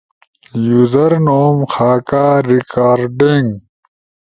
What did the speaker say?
یوزر نوم، خاکہ، ریکارڈنگ